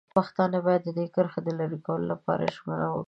پښتانه باید د دې کرښې د لرې کولو لپاره ژمن وي.